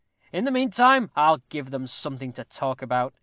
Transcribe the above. In the mean time I'll give them something to talk about.